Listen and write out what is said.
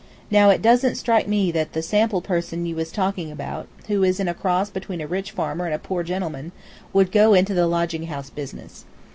Now, it doesn't strike me that that sample person you was talking about, who is a cross between a rich farmer and a poor gentleman, would go into the lodging house business."